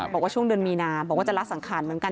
บอกว่าช่วงเดือนมีนาบอกว่าจะละสังขารเหมือนกัน